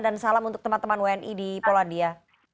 dan salam untuk teman teman wni di polandia